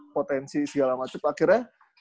potensi segala macem akhirnya